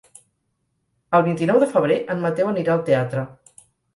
El vint-i-nou de febrer en Mateu anirà al teatre.